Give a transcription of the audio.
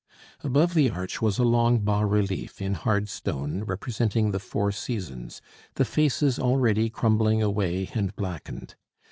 Above the arch was a long bas relief, in hard stone, representing the four seasons, the faces already crumbling away and blackened.